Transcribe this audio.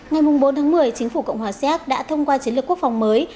ngày bốn tháng một mươi chính phủ cộng hòa xéc đã thông qua chiến lược quốc phòng mới